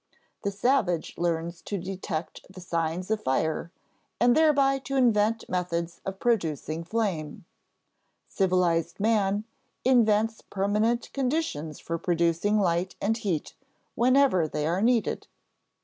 The savage learns to detect the signs of fire and thereby to invent methods of producing flame; civilized man invents permanent conditions for producing light and heat whenever they are needed.